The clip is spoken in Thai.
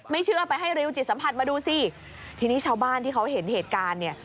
เชื่อไปให้ริวจิตสัมผัสมาดูสิทีนี้ชาวบ้านที่เขาเห็นเหตุการณ์เนี่ย